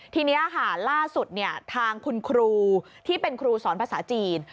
ทีนี้ค่ะล่าสุดทางคุณครูที่เป็นครูสอนภาษาจีน